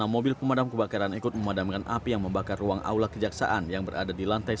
enam mobil pemadam kebakaran ikut memadamkan api yang membakar ruang aula kejaksaan yang berada di lantai satu